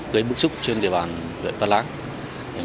gây bức xúc trên địa bàn huyện văn lãng